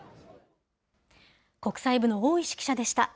国際部の大石記者でした。